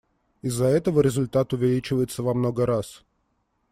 Из-за этого результат увеличивается во много раз.